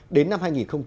đến năm hai nghìn ba mươi